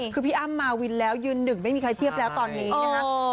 คือพี่อ้ำมาวินแล้วยืนหนึ่งไม่มีใครเทียบแล้วตอนนี้นะคะ